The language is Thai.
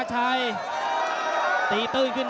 ตอนนี้มันถึง๓